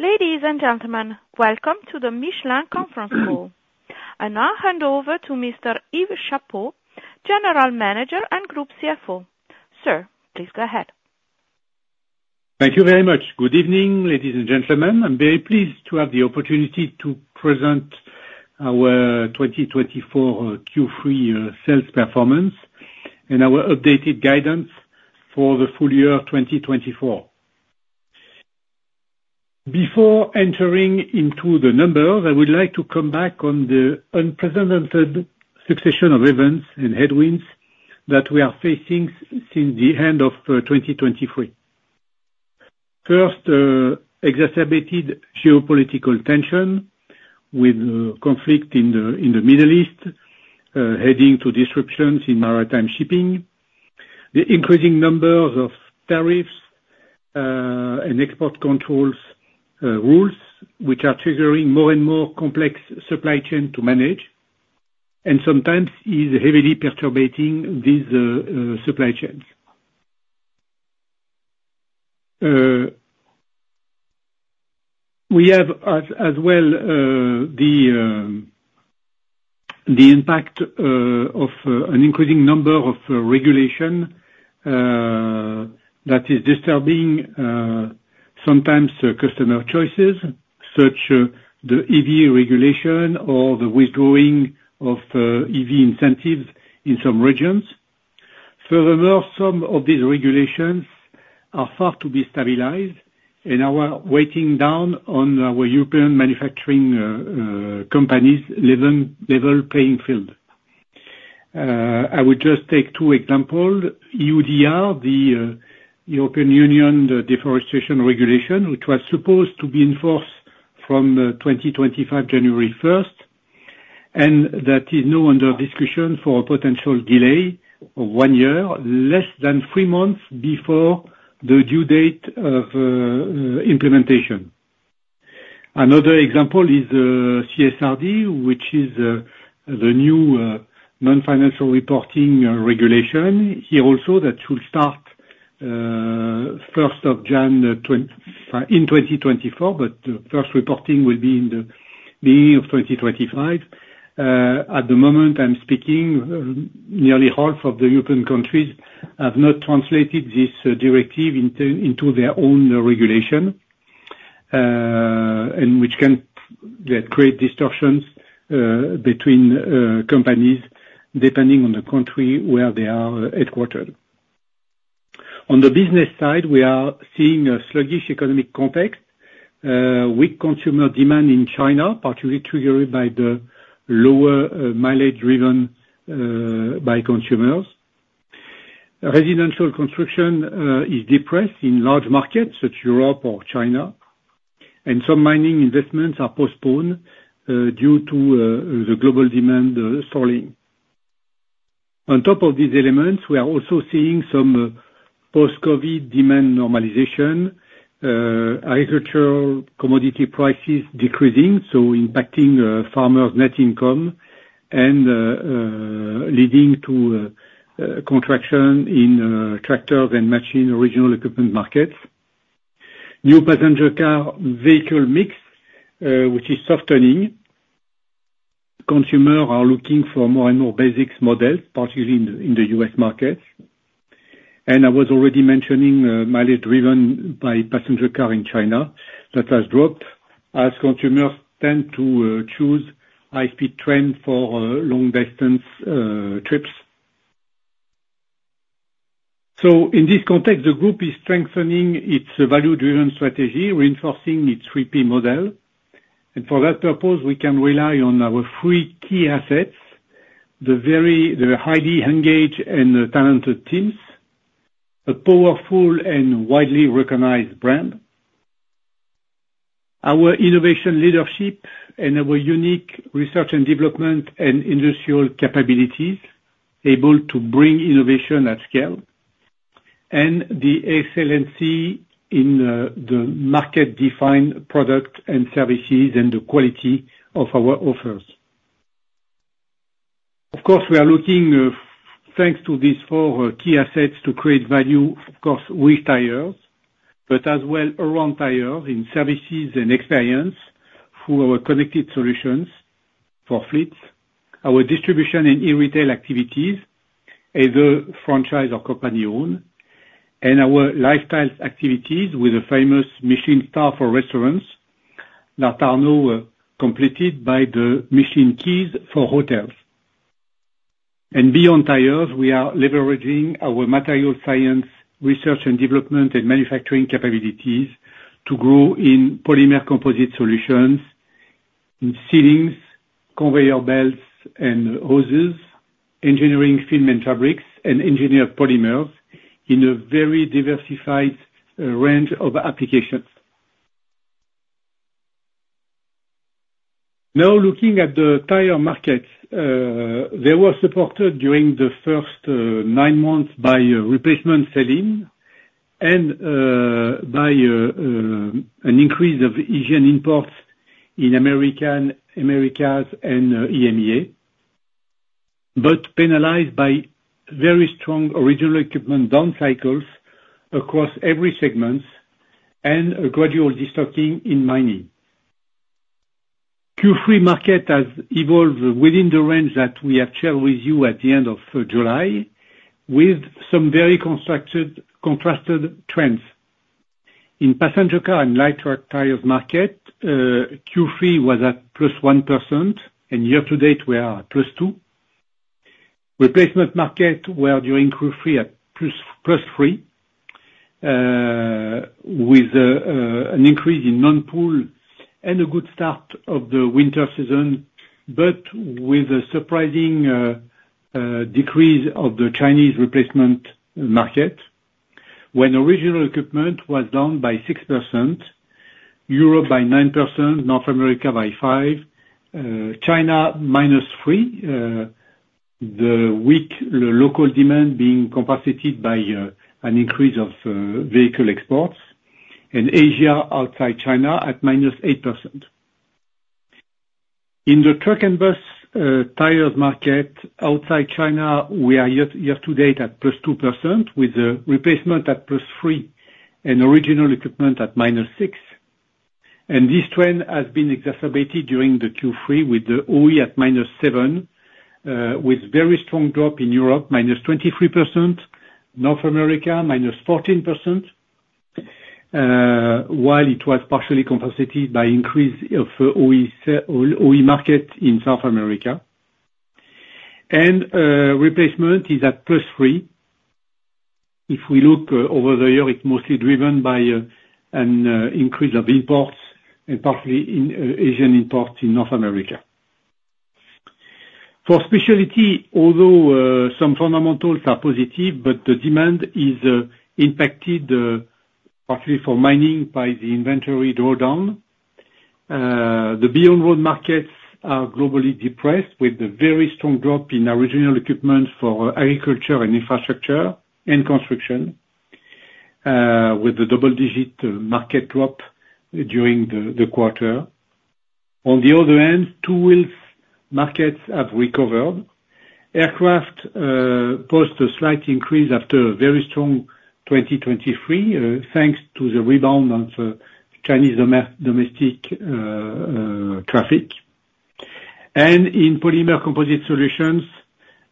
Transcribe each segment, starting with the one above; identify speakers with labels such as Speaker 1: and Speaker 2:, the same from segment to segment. Speaker 1: Ladies and gentlemen, welcome to the Michelin conference call. I now hand over to Mr. Yves Chapot, General Manager and Group CFO. Sir, please go ahead.
Speaker 2: Thank you very much. Good evening, ladies and gentlemen. I'm very pleased to have the opportunity to present our twenty twenty-four Q3 sales performance and our updated guidance for the full year of 2024. Before entering into the numbers, I would like to come back on the unprecedented succession of events and headwinds that we are facing since the end of 2023. First, exacerbated geopolitical tension with conflict in the Middle East leading to disruptions in maritime shipping, the increasing numbers of tariffs and export controls rules, which are triggering more and more complex supply chain to manage, and sometimes is heavily perturbating these supply chains. We have as well the impact of an increasing number of regulation that is disturbing sometimes customer choices, such as the EV regulation or the withdrawing of EV incentives in some regions. Furthermore, some of these regulations are far to be stabilized and are weighing down on our European manufacturing companies level playing field. I would just take two examples, EUDR, the European Union Deforestation Regulation, which was supposed to be in force from 2025, January first, and that is now under discussion for potential delay of one year, less than three months before the due date of implementation. Another example is CSRD, which is the new non-financial reporting regulation. Here also, that should start first of January in 2024, but first reporting will be in the beginning of 2025. At the moment I'm speaking, nearly half of the European countries have not translated this directive into their own regulation, and which can create distortions between companies, depending on the country where they are headquartered. On the business side, we are seeing a sluggish economic context with consumer demand in China, partially triggered by the lower mileage driven by consumers. Residential construction is depressed in large markets such as Europe or China, and some mining investments are postponed due to the global demand stalling. On top of these elements, we are also seeing some post-COVID demand normalization, agricultural commodity prices decreasing, so impacting farmers' net income and leading to contraction in tractors and machinery original equipment markets. New passenger car vehicle mix, which is softening. Consumers are looking for more and more basic models, particularly in the U.S. market. And I was already mentioning mileage driven by passenger car in China. That has dropped, as consumers tend to choose high-speed train for long distance trips. So in this context, the group is strengthening its value-driven strategy, reinforcing its Three P model, and for that purpose, we can rely on our three key assets: the very... the highly engaged and talented teams, a powerful and widely recognized brand, our innovation leadership, and our unique research and development and industrial capabilities, able to bring innovation at scale, and the excellency in the market-defined product and services and the quality of our offers. Of course, we are looking thanks to these four key assets, to create value, of course, with tires, but as well around tires, in services and experience through our connected solutions for fleets, our distribution and e-retail activities, either franchise or company-owned, and our lifestyles activities with the famous Michelin Star for restaurants that are now completed by the Michelin Keys for hotels. And beyond tires, we are leveraging our material science, research and development, and manufacturing capabilities to grow in polymer composite solutions, in seals, conveyor belts, and hoses, engineering film and fabrics, and engineered polymers in a very diversified range of applications. Now, looking at the tire markets, they were supported during the first nine months by a replacement selling and by an increase of Asian imports in Americas and EMEA, but penalized by very strong original equipment down cycles across every segment and a gradual destocking in mining. Q3 market has evolved within the range that we have shared with you at the end of July, with some very contrasted trends. In passenger car and light truck tires market, Q3 was at +1%, and year-to-date we are at +2%. Replacement market were during Q3 at +3%, with an increase in non-pool and a good start of the winter season, but with a surprising decrease of the Chinese replacement market, when original equipment was down 6%, Europe 9%, North America 5%, China -3%. The weak local demand being compensated by an increase of vehicle exports, and Asia outside China at -8%. In the truck and bus tires market outside China, we are year to date at +2%, with the replacement at +3% and original equipment at -6%. This trend has been exacerbated during the Q3, with the OE at -7%, with a very strong drop in Europe, -23%, North America -14%, while it was partially compensated by an increase of the OE market in South America. Replacement is at +3%. If we look over the year, it's mostly driven by an increase of imports and partly in Asian imports in North America. For specialty, although some fundamentals are positive, but the demand is impacted, partly for mining by the inventory drawdown. The Beyond Road markets are globally depressed, with a very strong drop in original equipment for agriculture and infrastructure and construction, with a double-digit market drop during the quarter. On the other hand, Two-Wheel markets have recovered. Aircraft post a slight increase after a very strong 2023, thanks to the rebound of Chinese domestic traffic. In polymer composite solutions,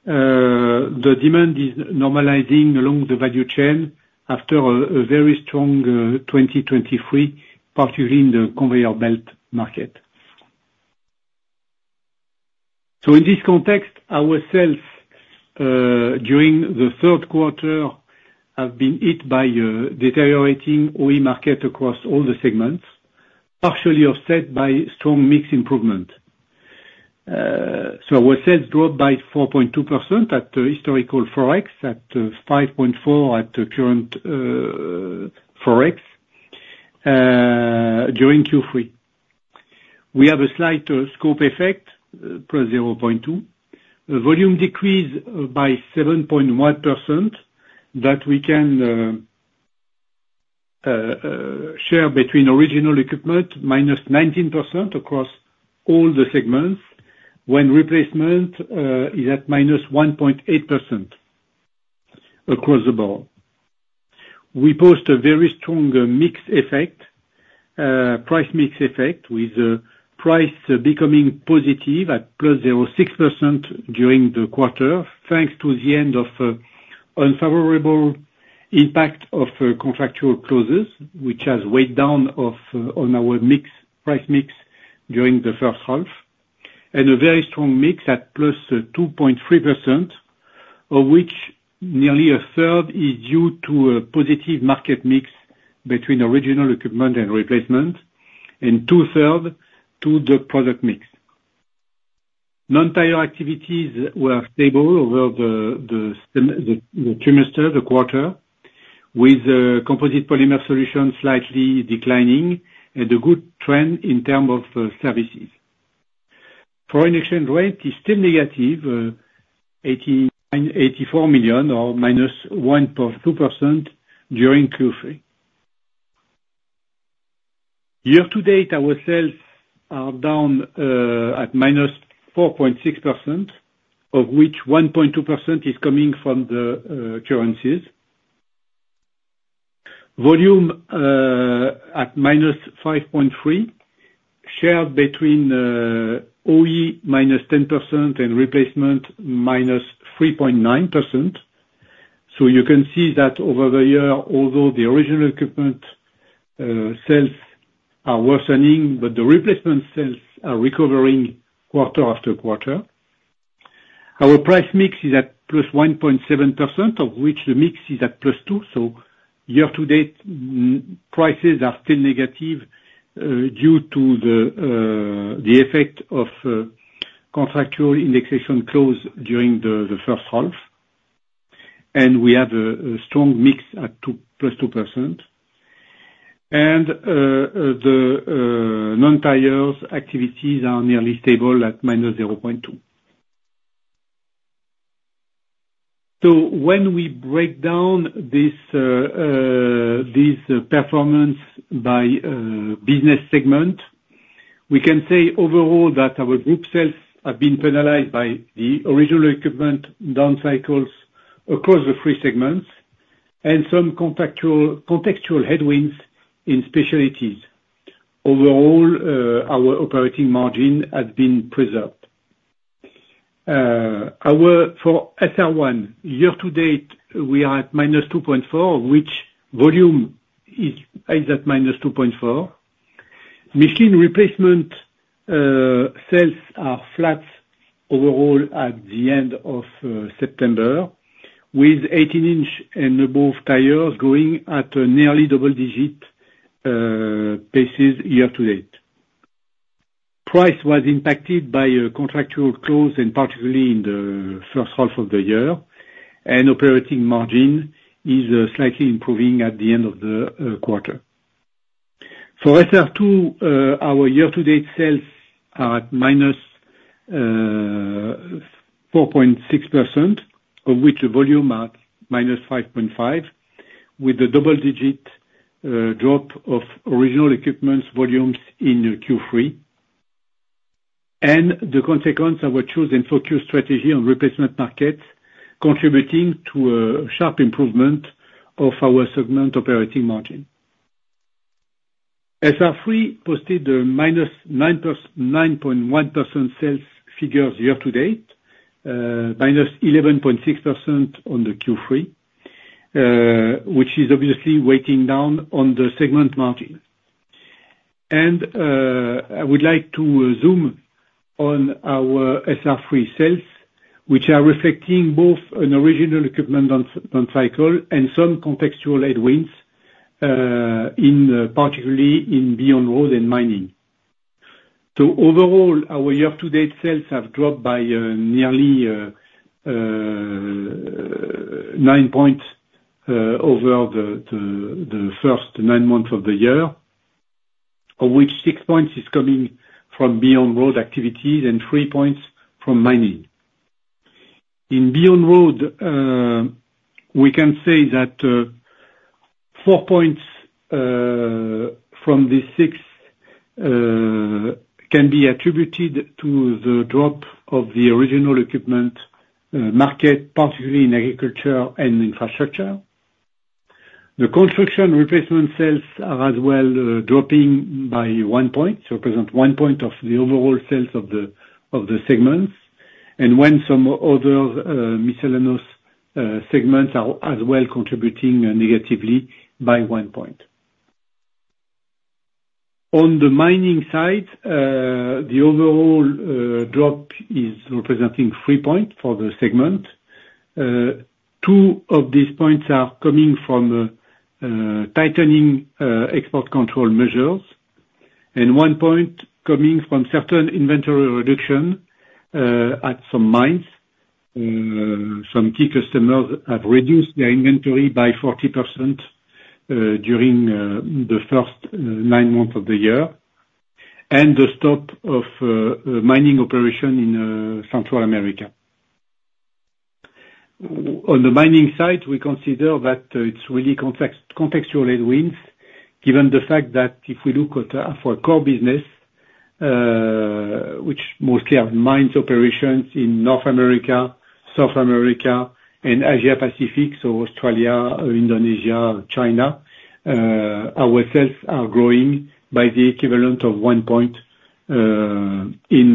Speaker 2: the demand is normalizing along the value chain after a very strong 2023, particularly in the conveyor belt market. In this context, our sales during Q3 have been hit by a deteriorating OE market across all the segments, partially offset by strong mix improvement. Our sales dropped by 4.2% at the historical Forex, at 5.4% at the current Forex, during Q3. We have a slight scope effect, plus 0.2. The volume decreased by 7.1%, that we can share between original equipment, -19% across all the segments, when replacement is at -1.8% across the board. We post a very strong mix effect, price mix effect, with price becoming positive at +0.6% during the quarter, thanks to the end of unfavorable impact of contractual clauses, which has weighed down on our mix, price mix during the first half, and a very strong mix at +2.3%, of which nearly a third is due to a positive market mix between original equipment and replacement, and 2/3 to the product mix. Non-tire activities were stable over the quarter, with polymer composite solutions slightly declining and a good trend in terms of services. Foreign exchange rate is still negative 84 million, or -1.2% during Q3. Year to date, our sales are down at -4.6%, of which 1.2% is coming from the currencies. Volume at -5.3%, shared between OE, -10%, and replacement, -3.9%. So you can see that over the year, although the original equipment sales are worsening, but the replacement sales are recovering quarter-after-quarter. Our price mix is at +1.7%, of which the mix is at +2, so year-to-date, prices are still negative due to the effect of contractual indexation clauses during the first half. And we have a strong mix at two, +2%. And the non-tires activities are nearly stable at -0.2%. So when we break down this performance by business segment, we can say overall that our group sales have been penalized by the original equipment down cycles across the three segments, and some contextual headwinds in specialties. Overall, our operating margin has been preserved. For SR1, year to date, we are at -2.4%, which volume is at -2.4%. Machine replacement sales are flat overall at the end of September, with 18-inch and above tires growing at a nearly double-digit basis year-to-date. Price was impacted by a contractual clause, and particularly in the first half of the year, and operating margin is slightly improving at the end of the quarter, so SR2, our year-to-date sales are at minus 4.6%, of which the volume are minus 5.5, with a double-digit drop of original equipment volumes in Q3, and the consequence of our chosen focused strategy on replacement markets, contributing to a sharp improvement of our segment operating margin. SR3 posted a -9.1% sales figure year to date, -11.6% on the Q3, which is obviously weighing down on the segment margin. I would like to zoom on our SR3 sales, which are reflecting both an original equipment down cycle and some contextual headwinds, particularly in Beyond Road and mining. Overall, our year to date sales have dropped by nearly nine points over the first nine months of the year, of which six points is coming from Beyond Road activities and three points from mining. In Beyond Road, we can say that four points from the six can be attributed to the drop of the original equipment market, particularly in agriculture and infrastructure. The construction replacement sales are as well dropping by one point, so represent one point of the overall sales of the, of the segments, and when some other miscellaneous segments are as well contributing negatively by one point. On the mining side, the overall drop is representing three points for the segment. Two of these points are coming from tightening export control measures, and one point coming from certain inventory reduction at some mines. Some key customers have reduced their inventory by 40% during the first nine months of the year, and the stop of mining operation in Central America. On the mining side, we consider that it's really contextual headwinds, given the fact that if we look at for core business, which mostly have mines operations in North America, South America and Asia Pacific, so Australia or Indonesia or China, our sales are growing by the equivalent of one point in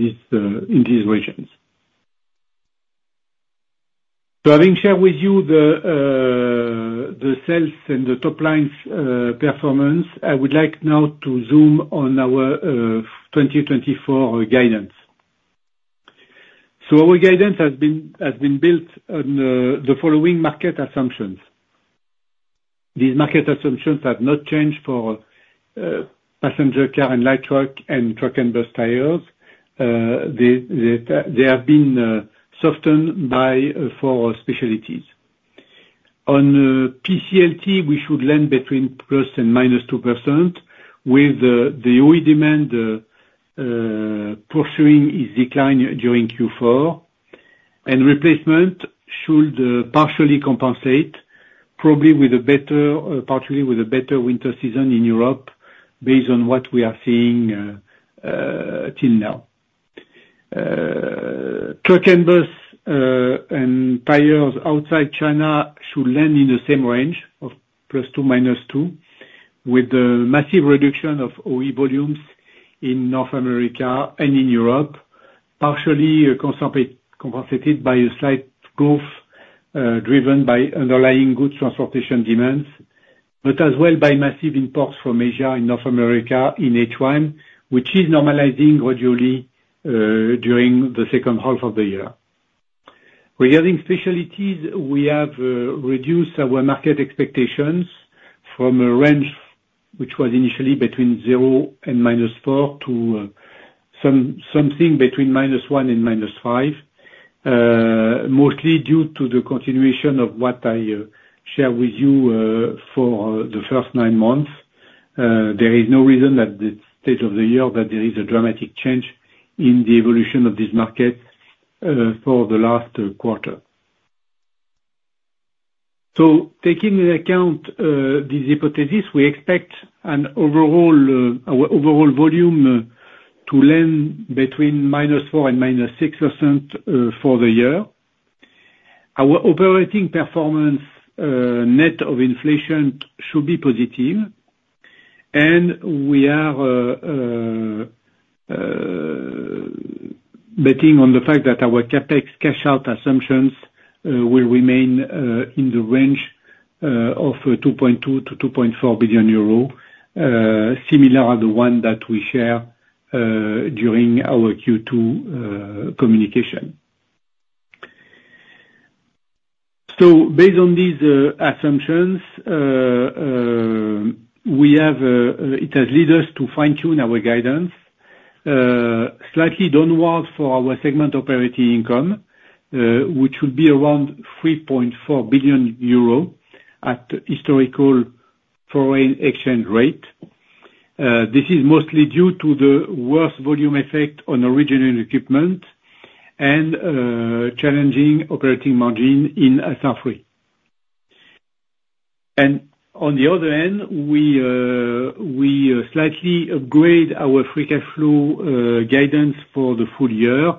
Speaker 2: these regions. So having shared with you the sales and the top line performance, I would like now to zoom on our 2024 guidance. So our guidance has been built on the following market assumptions. These market assumptions have not changed for passenger car and light truck, and truck and bus tires. They have been softened by for specialties. On PCLT, we should land between +2% and -2% with the OE demand pursuing its decline during Q4, and replacement should partially compensate, probably with a better winter season in Europe, based on what we are seeing till now. Truck and bus and tires outside China should land in the same range of +2 to -2, with the massive reduction of OE volumes in North America and in Europe, partially compensated by a slight growth driven by underlying goods transportation demands, but as well by massive imports from Asia and North America in H1, which is normalizing gradually during the second half of the year. Regarding specialties, we have reduced our market expectations from a range which was initially between 0 and -4, to something between -1 and -5, mostly due to the continuation of what I shared with you for the first nine months. There is no reason that the rest of the year, that there is a dramatic change in the evolution of this market for the last quarter. So taking into account this hypothesis, we expect our overall volume to land between -4% and -6% for the year. Our operating performance, net of inflation, should be positive, and we are betting on the fact that our CapEx cash out assumptions will remain in the range of 2.2 to 2.4 billion, similar to the one that we share during our Q2 communication, so based on these assumptions, it has led us to fine-tune our guidance slightly downward for our segment operating income, which would be around 3.4 billion euro at historical foreign exchange rate. This is mostly due to the worse volume effect on original equipment and challenging operating margin in SR3, and on the other hand, we slightly upgrade our free cash flow guidance for the full year.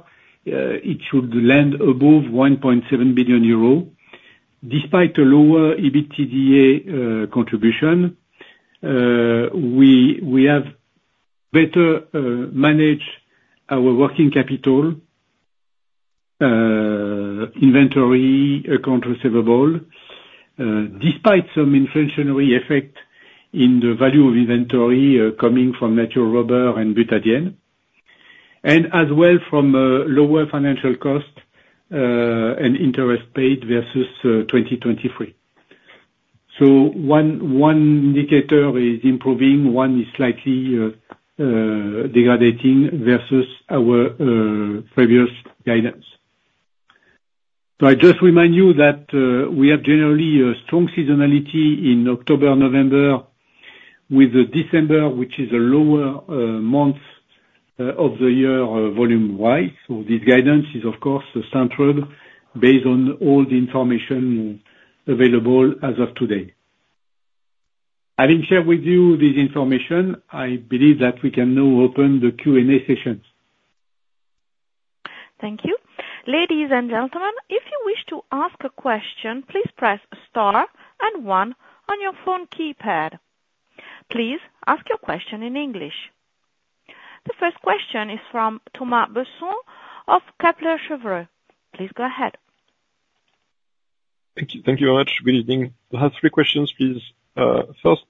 Speaker 2: It should land above 1.7 billion euro. Despite a lower EBITDA contribution, we have better managed our working capital, inventory, accounts receivable, despite some inflationary effect in the value of inventory, coming from natural rubber and butadiene, and as well from lower financial costs, and interest paid versus 2023. So one indicator is improving, one is slightly degrading versus our previous guidance. So I just remind you that we have generally a strong seasonality in October, November, with December, which is a lower month of the year, volume-wise. So this guidance is of course central, based on all the information available as of today. Having shared with you this information, I believe that we can now open the Q&A session.
Speaker 1: Thank you. Ladies and gentlemen, if you wish to ask a question, please press star and one on your phone keypad. Please ask your question in English. The first question is from Thomas Besson of Kepler Cheuvreux. Please go ahead.
Speaker 3: Thank you. Thank you very much. Good evening. I have three questions, please. First,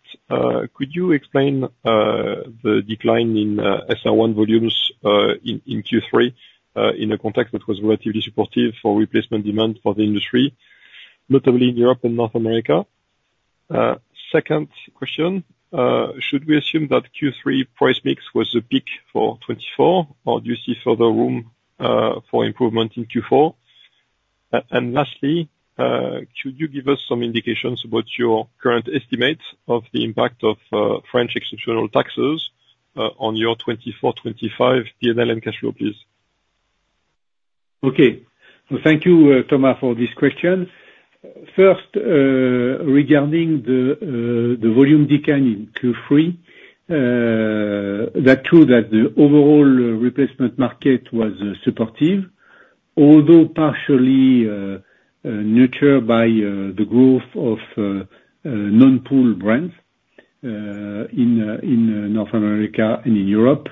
Speaker 3: could you explain the decline in SR1 volumes in Q3 in a context that was relatively supportive for replacement demand for the industry, notably in Europe and North America? Second question, should we assume that Q3 price mix was the peak for 2024, or do you see further room for improvement in Q4? And lastly, could you give us some indications about your current estimates of the impact of French exceptional taxes on your 2024/2025 PNL and cash flow, please?
Speaker 2: Okay. Thank you, Thomas, for this question. First, regarding the volume decline in Q3, that true that the overall replacement market was supportive, although partially nurtured by the growth of non-pool brands in North America and in Europe.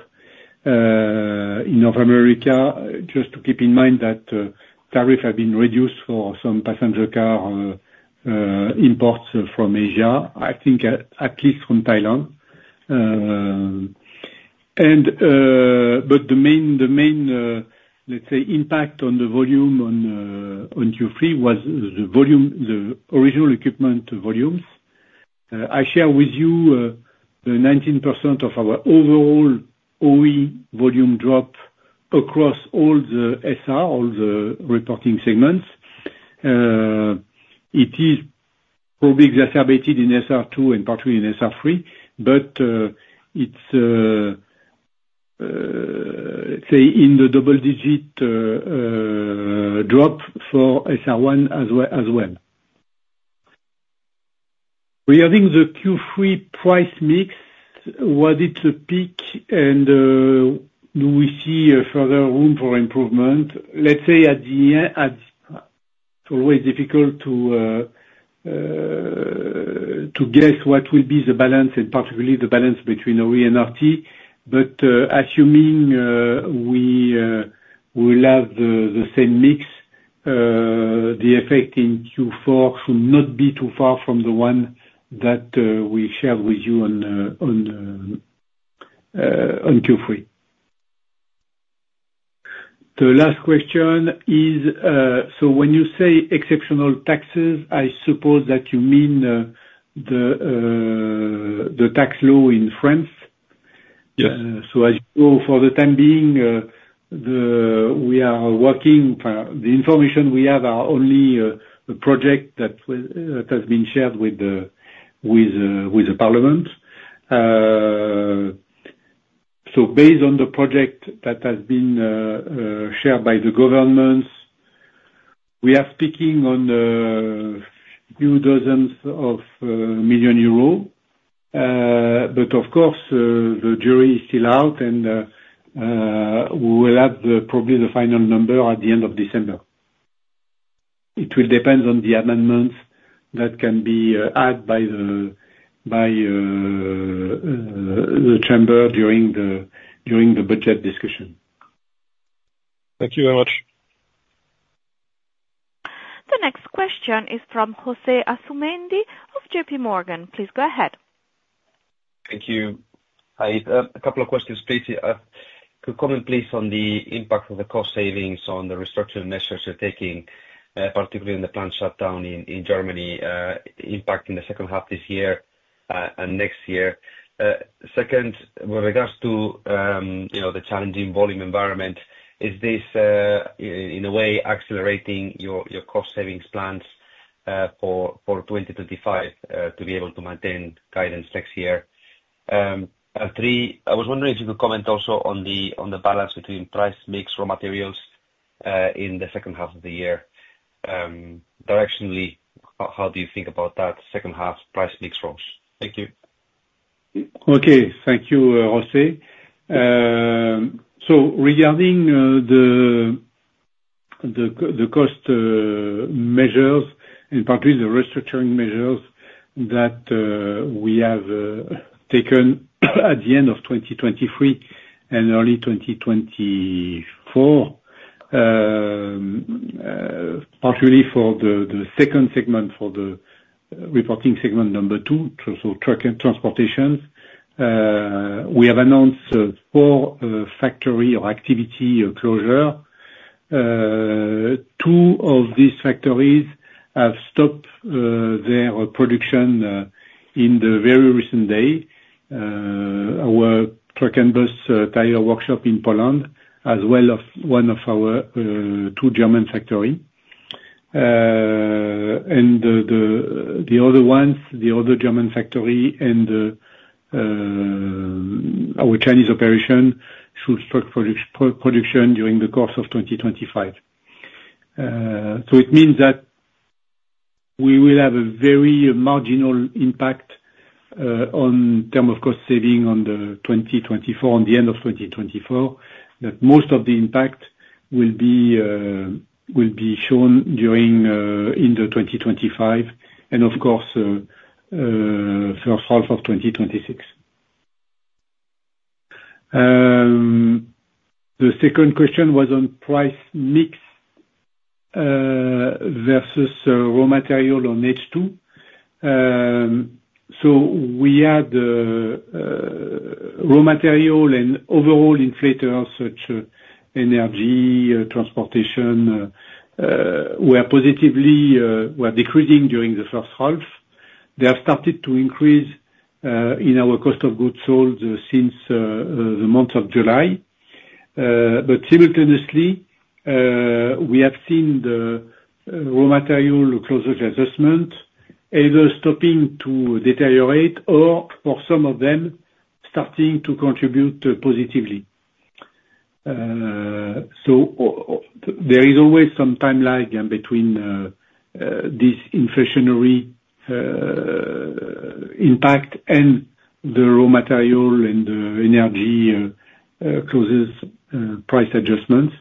Speaker 2: In North America, just to keep in mind that tariff have been reduced for some passenger car imports from Asia, I think at least from Thailand. And but the main, the main, let's say, impact on the volume on Q3 was the volume, the original equipment volumes. I share with you the 19% of our overall OE volume drop across all the SR, all the reporting segments. It is over-exacerbated in SR2 and partly in SR3, but it's say in the double digit drop for SR1 as well. Regarding the Q3 price mix, was it a peak and do we see a further room for improvement? Let's say at the end, at... It's always difficult to guess what will be the balance, and particularly the balance between OE and RT, but assuming we will have the same mix, the effect in Q4 should not be too far from the one that we shared with you on Q3. The last question is, so when you say exceptional taxes, I suppose that you mean the tax law in France?... So as you know, for the time being, we are working. The information we have are only the project that has been shared with the parliament. So based on the project that has been shared by the governments, we are speaking of a few dozen million EUR. But of course, the jury is still out, and we will have probably the final number at the end of December. It will depends on the amendments that can be added by the chamber during the budget discussion.
Speaker 3: Thank you very much.
Speaker 1: The next question is from José Asumendi of JP Morgan. Please go ahead.
Speaker 4: Thank you. I have a couple of questions, please. Could you comment please on the impact of the cost savings on the restructuring measures you're taking, particularly in the plant shutdown in Germany, impact in the second half this year, and next year? Second, with regards to, you know, the challenging volume environment, is this in a way accelerating your cost savings plans for 2025, to be able to maintain guidance next year? And three, I was wondering if you could comment also on the balance between price mix raw materials in the second half of the year. Directionally, how do you think about that second half price mix rolls? Thank you. Okay. Thank you, Jose. So regarding the cost measures, in particular, the restructuring measures that we have taken at the end of 2023 and early 2024, particularly for the second segment, for the reporting segment number two, so truck and transportation, we have announced four factory or activity closure. Two of these factories have stopped their production in the very recent day. Our truck and bus tire workshop in Poland, as well as one of our two German factory. And the other ones, the other German factory and our Chinese operation, should stop production during the course of 2025. So it means that we will have a very marginal impact on term of cost saving on 2024, on the end of 2024, that most of the impact will be shown during 2025, and of course first half of 2026. The second question was on price mix versus raw material on H2. So we had raw material and overall inflators such as energy, transportation were positively decreasing during the first half. They have started to increase in our cost of goods sold since the month of July. But simultaneously we have seen the raw material cost adjustment, either stopping to deteriorate or, for some of them, starting to contribute positively. There is always some time lag in between this inflationary impact and the raw material and energy costs price adjustments.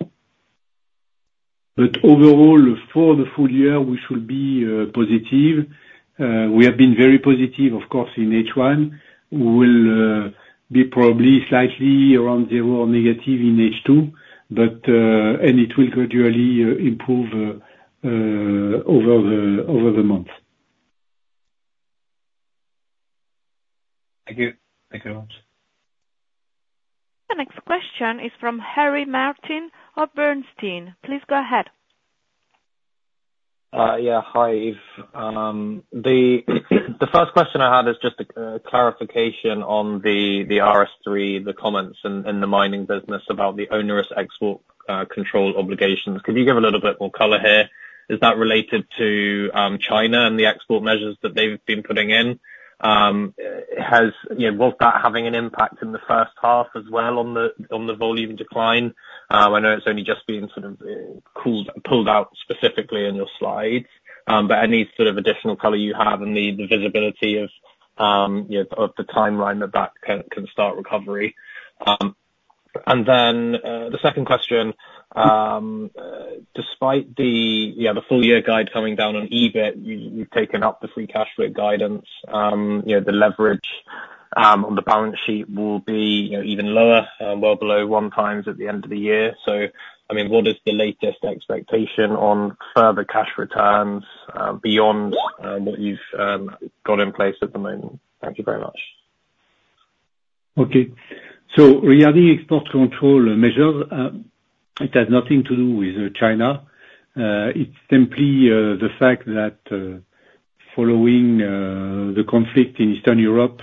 Speaker 4: But overall, for the full year, we should be positive. We have been very positive, of course, in H1. We will be probably slightly around zero or negative in H2, but and it will gradually improve over the months. Thank you. Thank you very much.
Speaker 1: The next question is from Harry Martin of Bernstein. Please go ahead.
Speaker 5: Yeah, hi, Yves. The first question I had is just a clarification on the SR3, the comments in the mining business about the onerous export control obligations. Could you give a little bit more color here? Is that related to China and the export measures that they've been putting in? Has. You know, was that having an impact in the first half as well on the volume decline? I know it's only just been sort of called out specifically in your slides, but any sort of additional color you have in the visibility of the timeline that can start recovery? And then, the second question, despite the, you know, the full year guide coming down on EBIT, you, you've taken up the free cash flow guidance, you know, the leverage, on the balance sheet will be, you know, even lower, well below one times at the end of the year. So I mean, what is the latest expectation on further cash returns, beyond, what you've, got in place at the moment? Thank you very much.
Speaker 2: Okay. So regarding export control measures. It has nothing to do with China. It's simply the fact that following the conflict in Eastern Europe,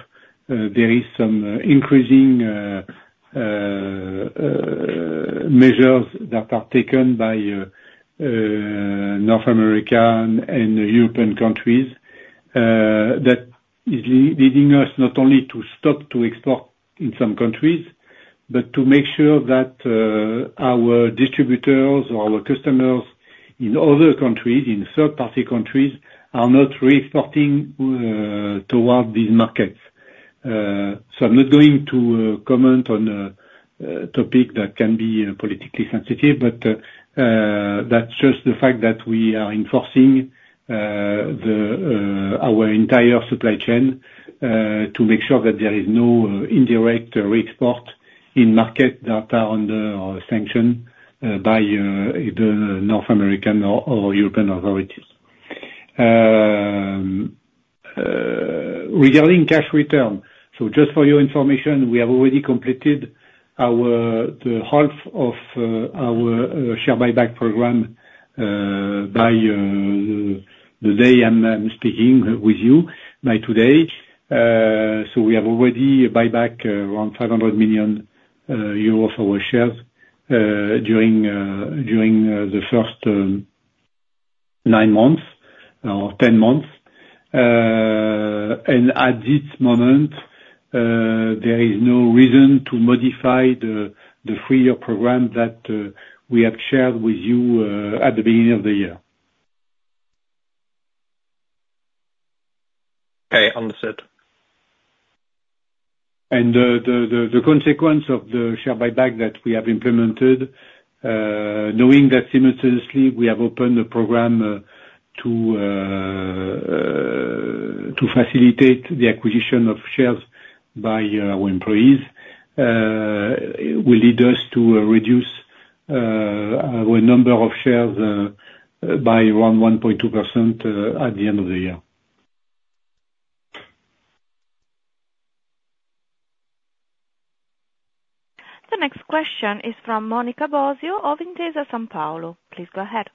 Speaker 2: there is some increasing measures that are taken by North America and European countries that is leading us not only to stop to export in some countries, but to make sure that our distributors or our customers in other countries, in third-party countries, are not reexporting towards these markets. So I'm not going to comment on a topic that can be politically sensitive, but that's just the fact that we are enforcing our entire supply chain to make sure that there is no indirect reexport in markets that are under sanctions by either North American or European authorities. Regarding cash return, so just for your information, we have already completed the half of our share buyback program by the day I'm speaking with you, by today. So we have already buyback around 500 million euro of our shares during the first nine months or 10 months. At this moment, there is no reason to modify the three-year program that we have shared with you at the beginning of the year.
Speaker 5: Okay, understood.
Speaker 2: And the consequence of the share buyback that we have implemented, knowing that simultaneously we have opened a program to facilitate the acquisition of shares by our employees, will lead us to reduce our number of shares by around 1.2% at the end of the year.
Speaker 1: The next question is from Monica Bosio of Intesa Sanpaolo. Please go ahead.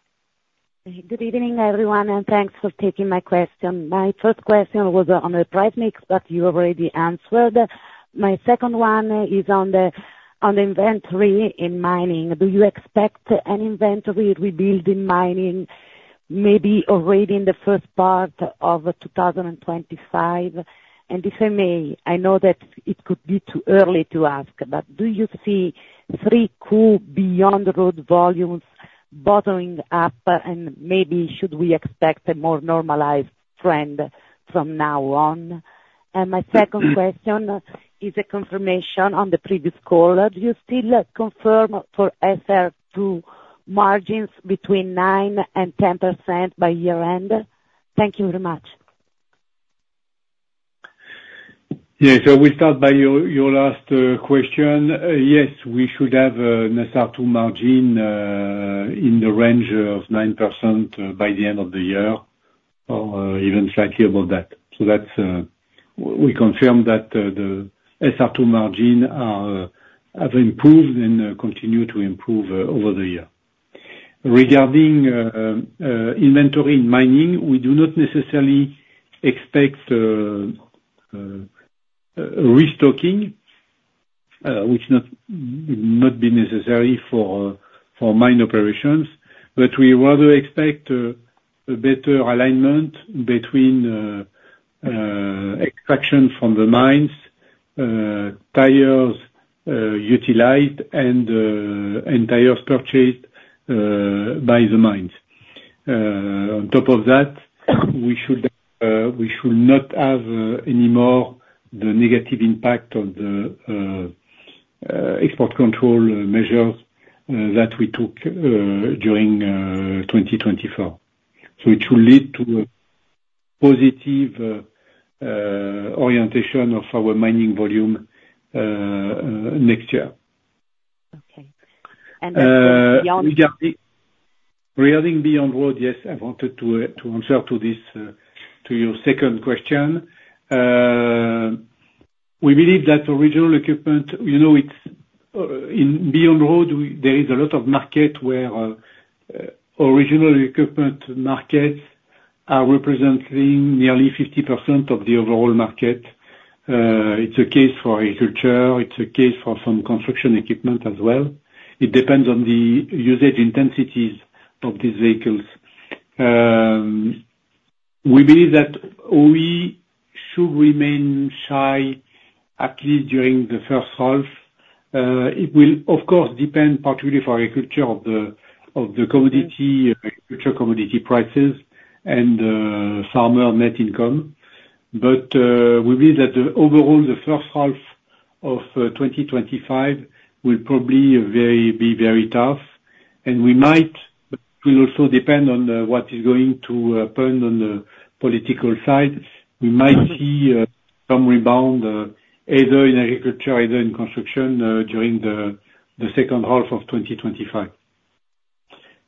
Speaker 6: Good evening, everyone, and thanks for taking my question. My first question was on the price mix, but you already answered. My second one is on the inventory in mining. Do you expect an inventory rebuild in mining, maybe already in the first part of 2025? And if I may, I know that it could be too early to ask, but do you see 3Q Beyond Road volumes bottling up, and maybe should we expect a more normalized trend from now on? And my second question is a confirmation on the previous call. Do you still confirm for SR2 margins between 9% and 10% by year-end? Thank you very much.
Speaker 2: Yeah, so we start by your last question. Yes, we should have an SR2 margin in the range of 9% by the end of the year, or even slightly above that. So that's, we confirm that the SR2 margin have improved and continue to improve over the year. Regarding inventory in mining, we do not necessarily expect restocking, which not be necessary for mine operations. But we rather expect a better alignment between extraction from the mines, tires utilized and tire purchase by the mines. On top of that, we should not have anymore the negative impact of the export control measures that we took during 2024. So it will lead to a positive orientation of our mining volume next year.
Speaker 6: Okay. And then-
Speaker 2: Regarding Beyond Road, yes, I wanted to answer to this, to your second question. We believe that original equipment, you know, it's in Beyond Road, there is a lot of market where original equipment markets are representing nearly 50% of the overall market. It's a case for agriculture, it's a case for some construction equipment as well. It depends on the usage intensities of these vehicles. We believe that we should remain shy, at least during the first half. It will, of course, depend particularly for agriculture on the future commodity prices and farmer net income. But we believe that overall, the first half of 2025 will probably be very tough, and we might... It will also depend on what is going to happen on the political side. We might see some rebound either in agriculture either in construction during the second half of 2025....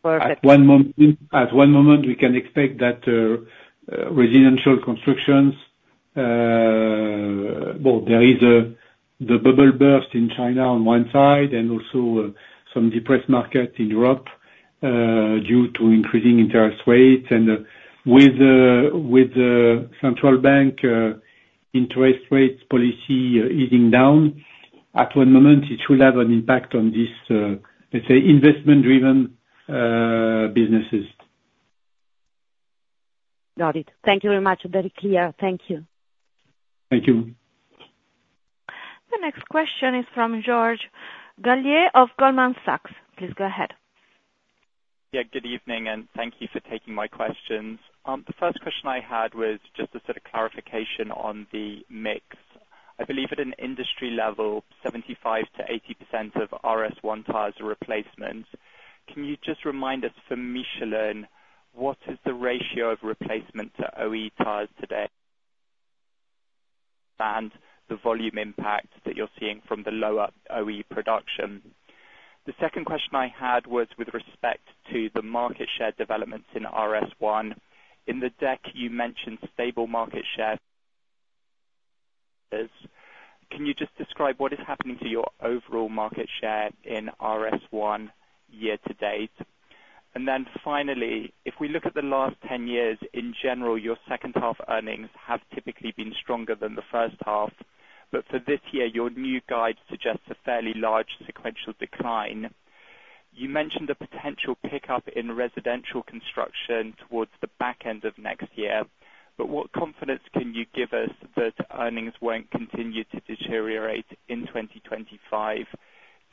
Speaker 2: At one moment we can expect that residential constructions well there is the bubble burst in China on one side and also some depressed markets in Europe due to increasing interest rates. And with the central bank interest rates policy easing down at one moment it will have an impact on this let's say investment-driven businesses.
Speaker 6: Got it. Thank you very much. Very clear. Thank you.
Speaker 2: Thank you.
Speaker 1: The next question is from George Gallier of Goldman Sachs. Please go ahead.
Speaker 7: Yeah, good evening, and thank you for taking my questions. The first question I had was just a sort of clarification on the mix. I believe at an industry level, 75% to 80% of SR1 tires are replacements. Can you just remind us, for Michelin, what is the ratio of replacement to OE tires today? And the volume impact that you're seeing from the lower OE production. The second question I had was with respect to the market share developments in SR1. In the deck, you mentioned stable market share. Can you just describe what is happening to your overall market share in SR1 year to date? And then finally, if we look at the last ten years, in general, your second half earnings have typically been stronger than the first half, but for this year, your new guide suggests a fairly large sequential decline. You mentioned a potential pickup in residential construction towards the back end of next year, but what confidence can you give us that earnings won't continue to deteriorate in 2025,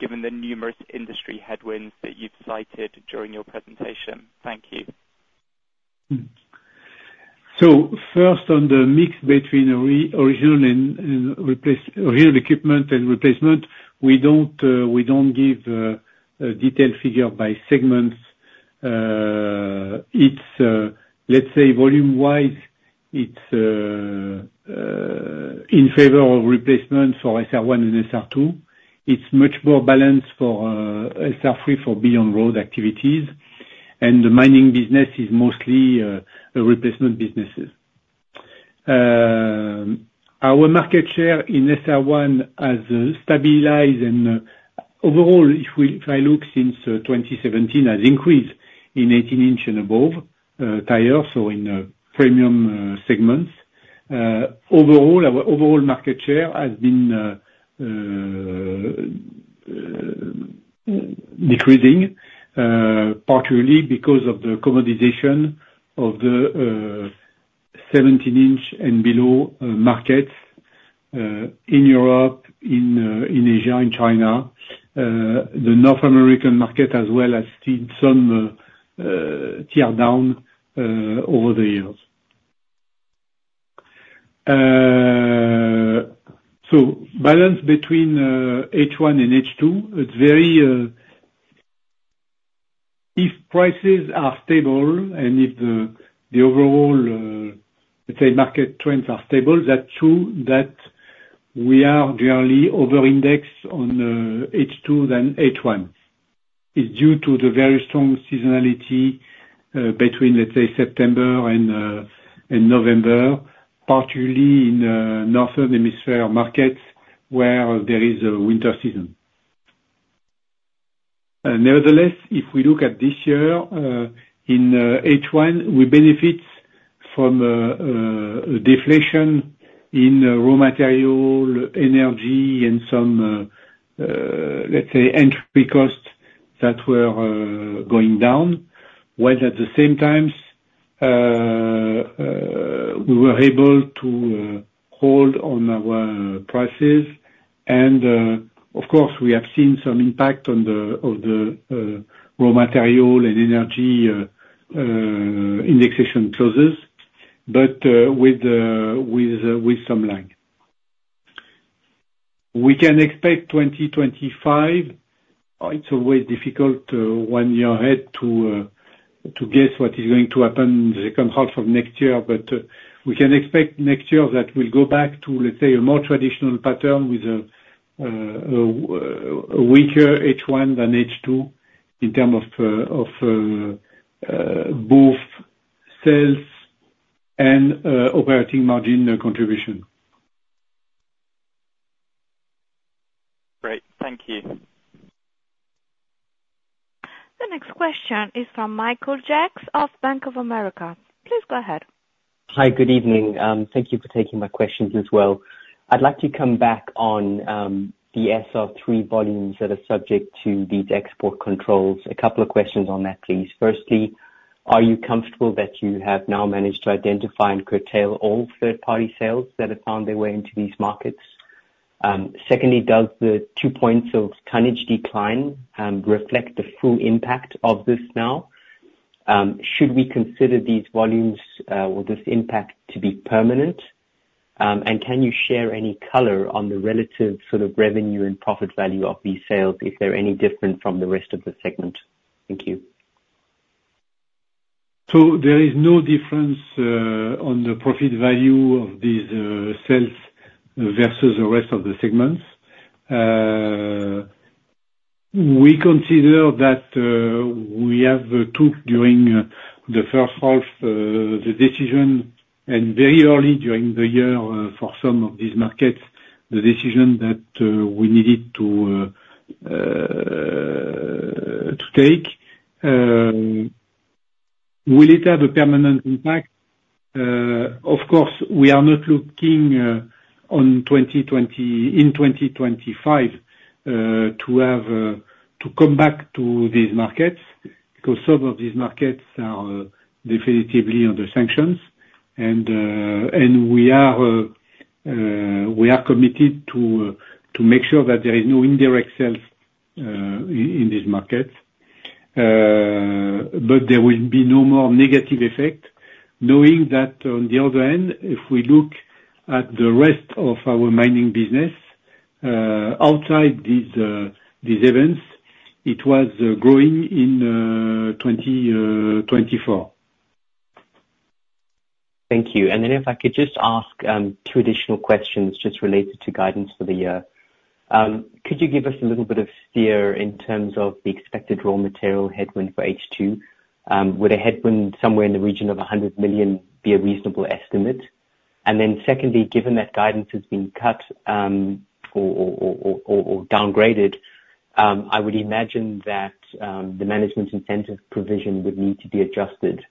Speaker 7: given the numerous industry headwinds that you've cited during your presentation? Thank you.
Speaker 2: So first, on the mix between RE, original equipment and replacement, we don't give a detailed figure by segments. It's, let's say, volume-wise, it's in favor of replacement for SR one and SR two. It's much more balanced for SR three for Beyond Road activities. And the mining business is mostly a replacement businesses. Our market share in SR one has stabilized, and overall, if I look since 2017, has increased in 18-inch and above tires, so in premium segments. Overall, our market share has been decreasing partly because of the commoditization of the 17-inch and below markets in Europe, in Asia, in China. The North American market as well has seen some downturn over the years. So balance between H1 and H2, it's very... If prices are stable and if the overall, let's say, market trends are stable, that's true that we are generally over-indexed on H2 than H1. It's due to the very strong seasonality between, let's say, September and November, particularly in Northern Hemisphere markets, where there is a winter season. Nevertheless, if we look at this year in H1, we benefit from deflation in raw material, energy, and some, let's say, other costs that were going down, while at the same time we were able to hold on our prices. Of course, we have seen some impact on the raw material and energy indexation clauses, but with some lag. We can expect 2025. It's always difficult one year ahead to guess what is going to happen the second half of next year, but we can expect next year that we'll go back to, let's say, a more traditional pattern with a weaker H1 than H2 in terms of both sales and operating margin contribution.
Speaker 7: Great. Thank you.
Speaker 1: The next question is from Michael Jacks of Bank of America. Please go ahead.
Speaker 8: Hi, good evening. Thank you for taking my questions as well. I'd like to come back on, the SR three volumes that are subject to these export controls. A couple of questions on that, please. Firstly, are you comfortable that you have now managed to identify and curtail all third-party sales that have found their way into these markets? Secondly, does the two points of tonnage decline, reflect the full impact of this now? Should we consider these volumes, or this impact to be permanent? And can you share any color on the relative sort of revenue and profit value of these sales, if they're any different from the rest of the segment? Thank you. ...
Speaker 2: So there is no difference on the profit value of these sales versus the rest of the segments. We consider that we have took during the first half the decision, and very early during the year, for some of these markets, the decision that we needed to take. Will it have a permanent impact? Of course, we are not looking on 2020 in 2025 to have to come back to these markets, because some of these markets are definitively under sanctions. And we are committed to make sure that there is no indirect sales in these markets. But there will be no more negative effect, knowing that on the other hand, if we look at the rest of our mining business outside these events, it was growing in 2024.
Speaker 8: Thank you. And then if I could just ask two additional questions just related to guidance for the year. Could you give us a little bit of steer in terms of the expected raw material headwind for H2? Would a headwind somewhere in the region of 100 million be a reasonable estimate? And then secondly, given that guidance has been cut, or downgraded, I would imagine that the management incentive provision would need to be adjusted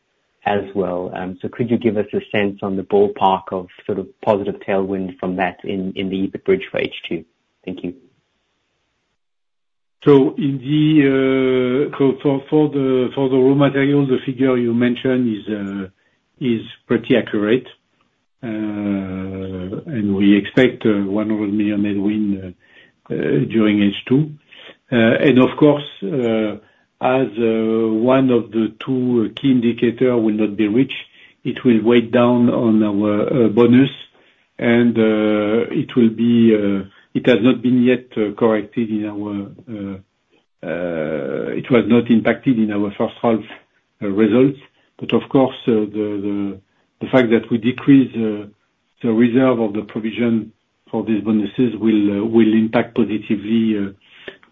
Speaker 8: as well. So could you give us a sense on the ballpark of sort of positive tailwind from that in the bridge for H2? Thank you.
Speaker 2: For the raw material, the figure you mentioned is pretty accurate. And we expect a 100 million headwind during H2. And of course, as one of the two key indicator will not be reached, it will weigh down on our bonus, and it has not been yet corrected; it was not impacted in our first half results. But of course, the fact that we decreased the reserve of the provision for these bonuses will impact positively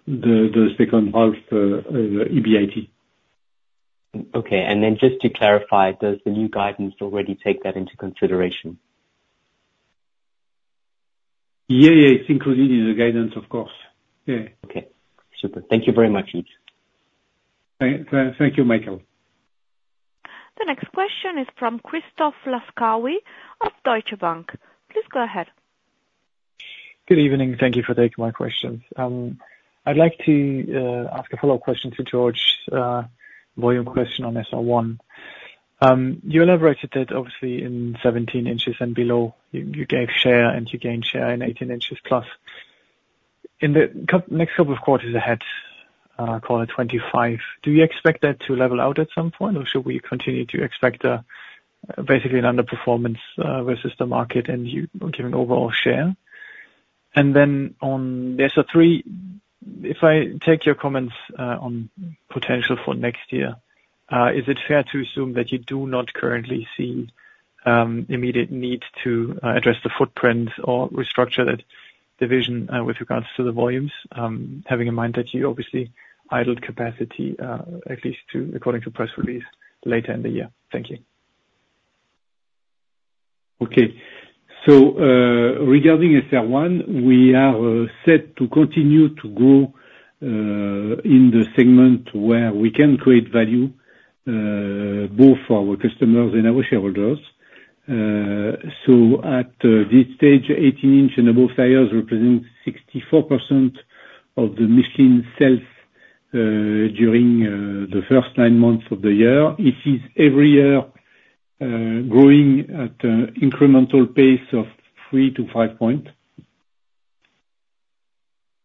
Speaker 2: the second half EBIT.
Speaker 8: Okay, and then just to clarify, does the new guidance already take that into consideration?
Speaker 2: Yeah, yeah. It's included in the guidance, of course. Yeah.
Speaker 8: Okay. Super. Thank you very much, Yves.
Speaker 2: Thank you, Michael.
Speaker 1: The next question is from Christoph Laskawi of Deutsche Bank. Please go ahead.
Speaker 9: Good evening, thank you for taking my questions. I'd like to ask a follow-up question to George, volume question on SR1. You elaborated that obviously in 17 inches and below, you gave share and you gained share in 18 inches plus. In the next couple of quarters ahead, call it 2025, do you expect that to level out at some point? Or should we continue to expect basically an underperformance versus the market, and you giving overall share? And then on SR3, if I take your comments on potential for next year, is it fair to assume that you do not currently see immediate need to address the footprint or restructure that division with regards to the volumes, having in mind that you obviously idled capacity, at least according to press release, later in the year? Thank you.
Speaker 2: Okay. So, regarding SR1, we are set to continue to grow in the segment where we can create value both for our customers and our shareholders. So at this stage, eighteen-inch and above tires represent 64% of the Michelin sales during the first nine months of the year. It is every year growing at an incremental pace of three to five points.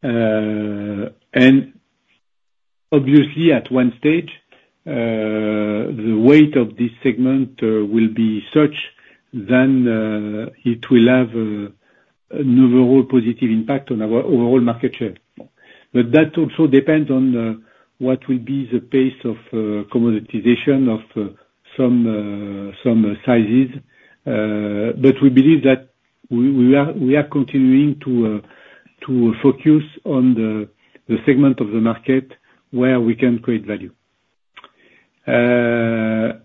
Speaker 2: And obviously, at one stage, the weight of this segment will be such that it will have an overall positive impact on our overall market share. But that also depends on what will be the pace of commoditization of some sizes. But we believe that we are continuing to focus on the segment of the market where we can create value.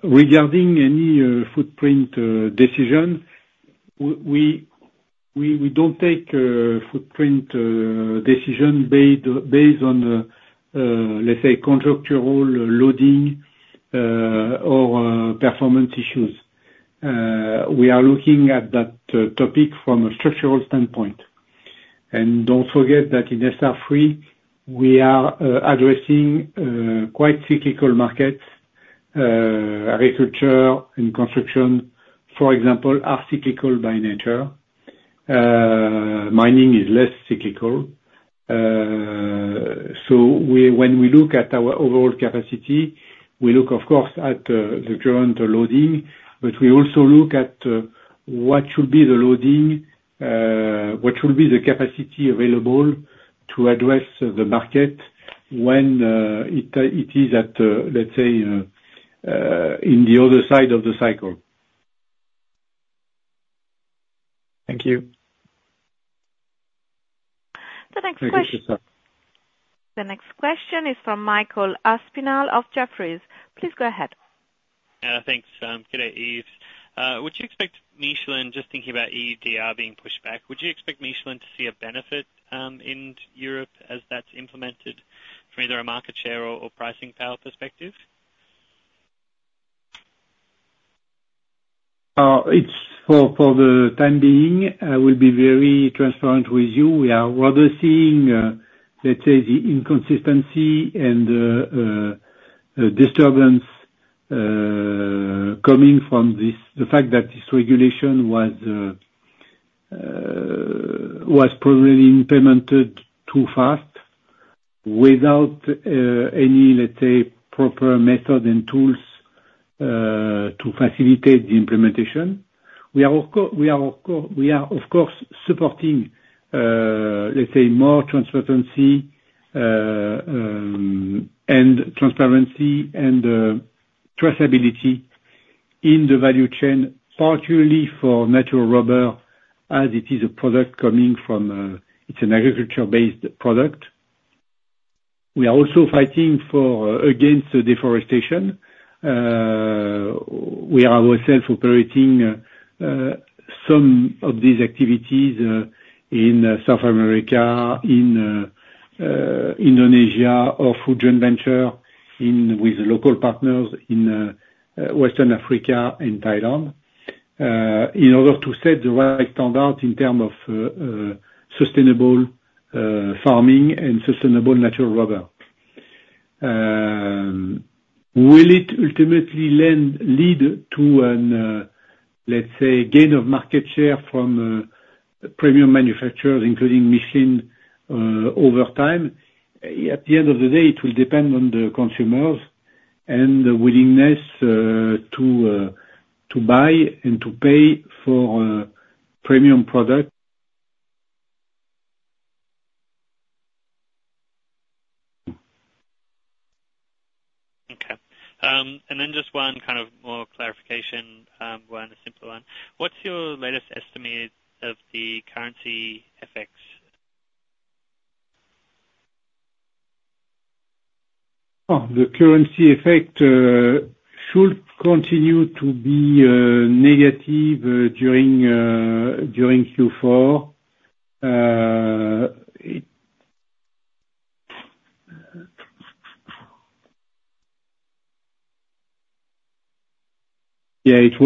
Speaker 2: Regarding any footprint decision, we don't take footprint decision based on, let's say, contractual loading or performance issues. We are looking at that topic from a structural standpoint. Don't forget that in SR3, we are addressing quite cyclical markets. Agriculture and construction, for example, are cyclical by nature. Mining is less cyclical. When we look at our overall capacity, we look of course at the current loading, but we also look at what should be the loading, what should be the capacity available to address the market when it is at, let's say, in the other side of the cycle.
Speaker 9: Thank you.
Speaker 1: The next question-
Speaker 9: Thank you so much.
Speaker 1: The next question is from Michael Aspinall of Jefferies. Please go ahead.
Speaker 10: Thanks, good day, Yves. Would you expect Michelin, just thinking about EUDR being pushed back, would you expect Michelin to see a benefit, in Europe as that's implemented from either a market share or, or pricing power perspective?
Speaker 2: For the time being, I will be very transparent with you. We are rather seeing, let's say, the inconsistency and the disturbance coming from the fact that this regulation was probably implemented too fast, without any, let's say, proper method and tools to facilitate the implementation. We are, of course, supporting, let's say more transparency and traceability in the value chain, particularly for natural rubber, as it is a product coming from, it's an agriculture-based product. We are also fighting against deforestation. We are ourselves operating some of these activities in South America, in Indonesia, or through joint venture with local partners in Western Africa and Thailand, in order to set the right standard in terms of sustainable farming and sustainable natural rubber. Will it ultimately lead to a, let's say, gain of market share from premium manufacturers, including Michelin, over time? At the end of the day, it will depend on the consumers and the willingness to buy and to pay for a premium product.
Speaker 10: Okay. And then just one kind of more clarification, one, a simpler one. What's your latest estimate of the currency effects?
Speaker 2: Oh, the currency effect should continue to be negative during Q4. Yeah, it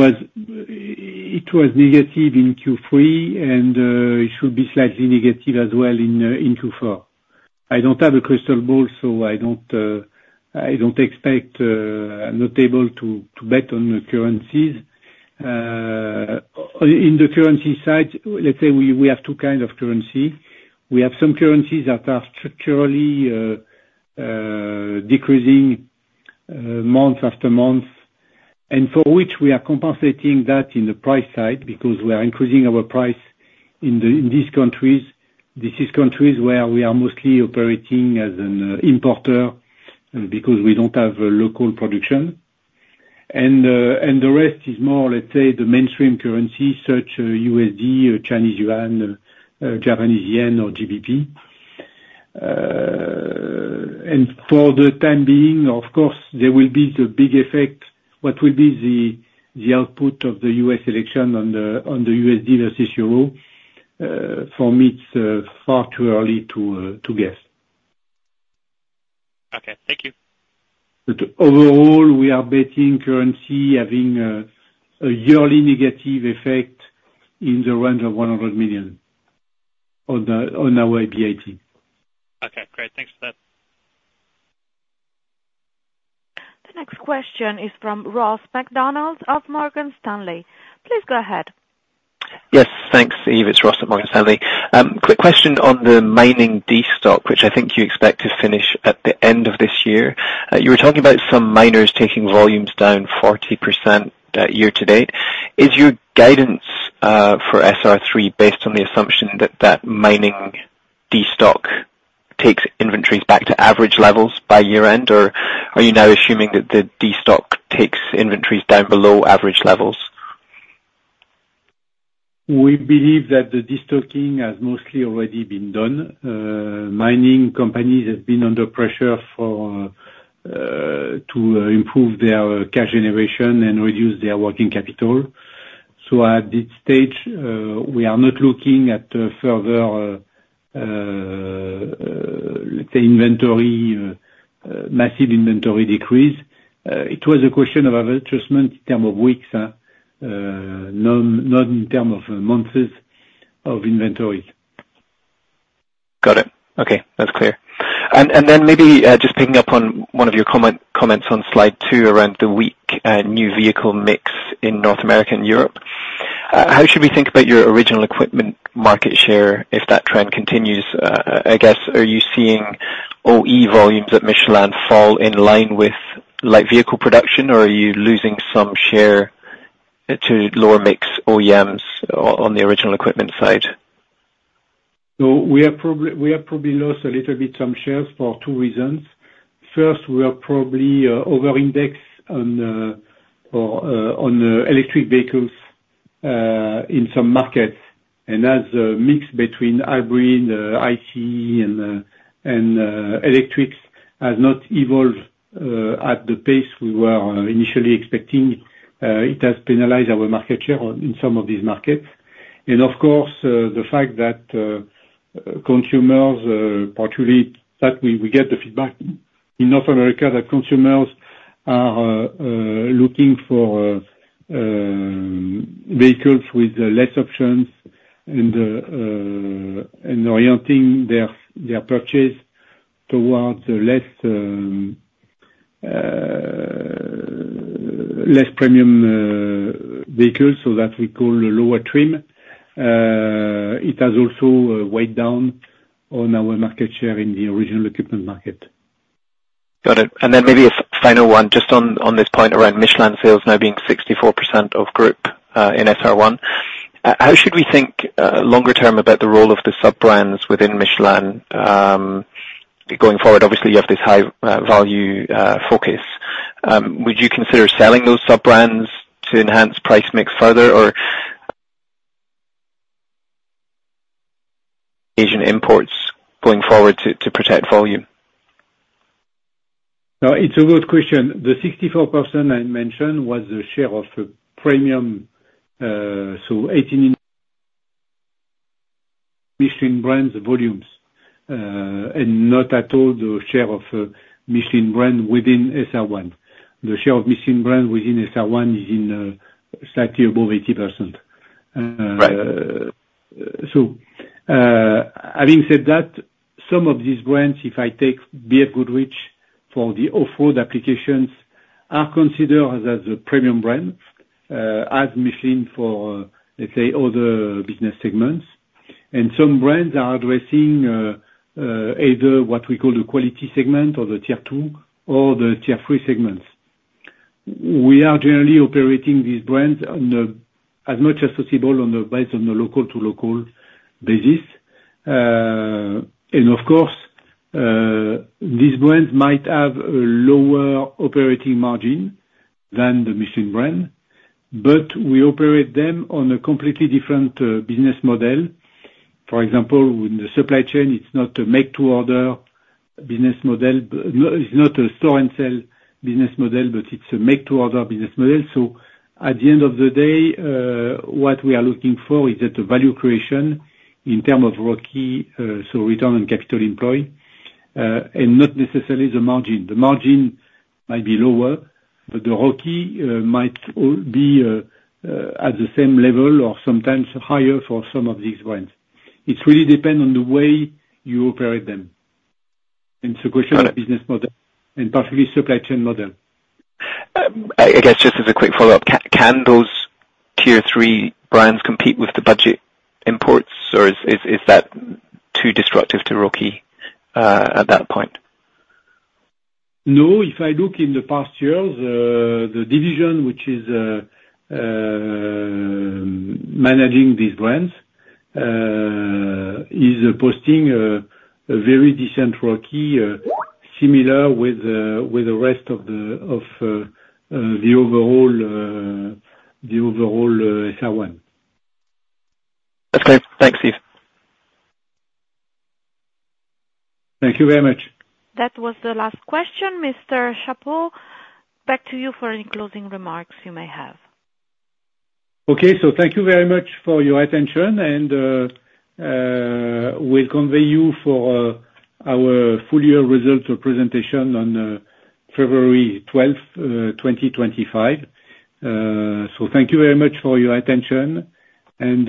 Speaker 2: was negative in Q3, and it should be slightly negative as well in Q4. I don't have a crystal ball, so I don't expect. I'm not able to bet on the currencies. On the currency side, let's say we have two kind of currency. We have some currencies that are structurally decreasing month after month, and for which we are compensating that in the price side, because we are increasing our price in these countries. This is countries where we are mostly operating as an importer, because we don't have a local production. And the rest is more, let's say, the mainstream currency, such USD, or Chinese Yuan, Japanese Yen or GBP. And for the time being, of course, there will be the big effect, what will be the output of the U.S. election on the USD versus euro. For me, it's far too early to guess.
Speaker 10: Okay, thank you.
Speaker 2: But overall, we are betting currency having a yearly negative effect in the range of 100 million on our EBIT.
Speaker 10: Okay, great. Thanks for that.
Speaker 1: The next question is from Ross MacDonald of Morgan Stanley. Please go ahead.
Speaker 11: Yes, thanks, Yves. It's Ross at Morgan Stanley. Quick question on the mining destock, which I think you expect to finish at the end of this year. You were talking about some miners taking volumes down 40%, year to date. Is your guidance for SR3 based on the assumption that that mining destock takes inventories back to average levels by year end, or are you now assuming that the destock takes inventories down below average levels?
Speaker 2: We believe that the destocking has mostly already been done. Mining companies have been under pressure to improve their cash generation and reduce their working capital. So at this stage, we are not looking at further, let's say, massive inventory decrease. It was a question of adjustment in terms of weeks, not in terms of months of inventories.
Speaker 11: Got it. Okay, that's clear. And then maybe just picking up on one of your comments on slide two, around the weak new vehicle mix in North America and Europe. How should we think about your original equipment market share if that trend continues? I guess, are you seeing OE volumes at Michelin fall in line with light vehicle production, or are you losing some share to lower mix OEMs on the original equipment side?
Speaker 2: We have probably lost a little bit some shares for two reasons. First, we are probably over-indexed on electric vehicles in some markets, and as a mix between hybrid, ICE, and electrics has not evolved at the pace we were initially expecting, it has penalized our market share in some of these markets. And of course, the fact that consumers, particularly that we get the feedback in North America, that consumers are looking for vehicles with less options and orienting their purchase towards less premium vehicles, so that we call a lower trim. It has also weighed down on our market share in the original equipment market.
Speaker 11: Got it. And then maybe a final one, just on this point around Michelin sales now being 64% of group in SR1. How should we think longer term about the role of the sub-brands within Michelin? Going forward, obviously, you have this high value focus. Would you consider selling those sub-brands to enhance price mix further? Or Asian imports going forward to protect volume.
Speaker 2: No, it's a good question. The 64% I mentioned was the share of premium, so 18% in Michelin brands volumes, and not at all the share of Michelin brand within SR1. The share of Michelin brand within SR1 is slightly above 80%.
Speaker 11: Right.
Speaker 2: So, having said that, some of these brands, if I take BFGoodrich for the off-road applications, are considered as a premium brand, as Michelin for, let's say, other business segments. And some brands are addressing, either what we call the quality segment or the tier two or the tier three segments. We are generally operating these brands on the, as much as possible, on the base, on the local to local basis. And of course, these brands might have a lower operating margin than the Michelin brand, but we operate them on a completely different business model. For example, in the supply chain, it's not a make to order business model, it's not a store and sell business model, but it's a make to order business model. At the end of the day, what we are looking for is that the value creation in terms of ROCE, so return on capital employed, and not necessarily the margin. The margin might be lower, but the ROCE might be at the same level or sometimes higher for some of these brands. It really depend on the way you operate them, it's a question-
Speaker 11: Got it.
Speaker 2: Of business model and particularly supply chain model.
Speaker 11: I guess, just as a quick follow-up, can those tier three brands compete with the budget imports, or is that too disruptive to ROCE, at that point?
Speaker 2: No. If I look in the past years, the division which is managing these brands is posting a very decent ROCE, similar with the rest of the overall SR1.
Speaker 11: That's clear. Thanks, Steve.
Speaker 2: Thank you very much.
Speaker 1: That was the last question, Mr. Chapot. Back to you for any closing remarks you may have.
Speaker 2: Okay, so thank you very much for your attention, and we'll see you for our full year results or presentation on 12 February, 2025. Thank you very much for your attention, and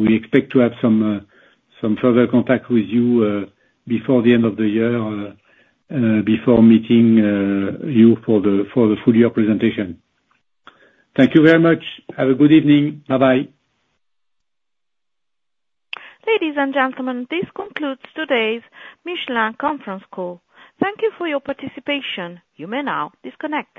Speaker 2: we expect to have some further contact with you before the end of the year or before meeting you for the full year presentation. Thank you very much. Have a good evening. Bye-bye.
Speaker 1: Ladies and gentlemen, this concludes today's Michelin conference call. Thank you for your participation. You may now disconnect.